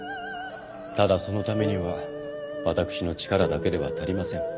ただそのためには私の力だけでは足りません。